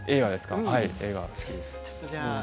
はい、映画好きです。